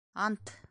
- Ант!